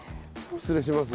失礼します。